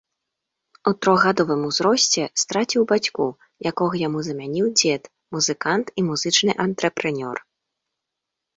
У трохгадовым узросце страціў бацьку, якога яму замяніў дзед, музыкант і музычны антрэпрэнёр.